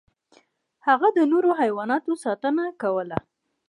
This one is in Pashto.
هغه د نورو حیواناتو ساتنه کوله.